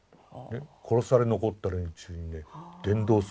殺され残った連中にね伝道するんですよ。